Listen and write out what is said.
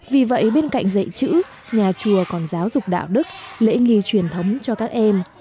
vì vậy bên cạnh dạy chữ nhà chùa còn giáo dục đạo đức lễ nghi truyền thống cho các em